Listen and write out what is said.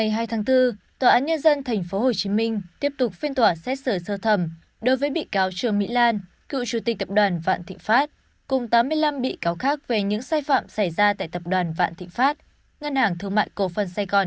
hãy đăng ký kênh để ủng hộ kênh của chúng mình nhé